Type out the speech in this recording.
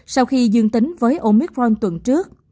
sau khi dương tính với omicron tuần trước